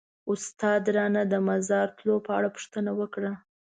استاد رانه د مزار تلو په اړه پوښتنه وکړه.